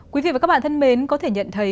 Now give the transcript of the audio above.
quý vị và các bạn thân mến có thể nhận thấy